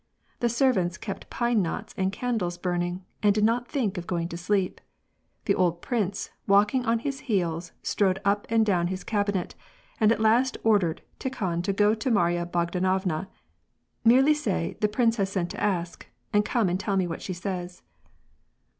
The servants kept pine knots and candles burning, and did not think of going to sleep. The old prince, walking on his heels, strode up and down his cabinet, and at last ordered Tikhon to go to Marya Bogdan ovna —" Merely say, * the prince has sent to ask,' and come and tell me what she says."